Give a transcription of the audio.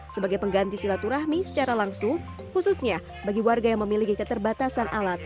sebagai pengganti silaturahmi secara langsung khususnya bagi warga yang memiliki keterbatasan alat